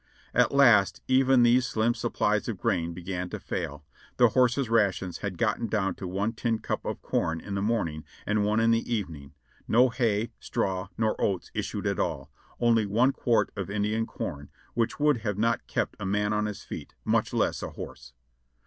At last even these slim supplies of grain began to fail ; the horses' rations had gotten down to one tin cup of corn in the morning and one in the evening ; no hay, straw, nor oats issued at all ; only one C[uart of Indian corn, which would not have kept a man on his feet, much less a horse.